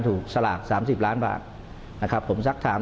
แต่เจ้าตัวก็ไม่ได้รับในส่วนนั้นหรอกนะครับ